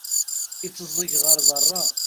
Itteẓẓeg ɣer beṛṛa.